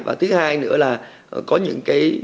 và thứ hai nữa là có những cái